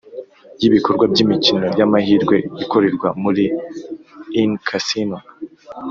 y ibikorwa by imikino y amahirwe ikorerwa muri in casino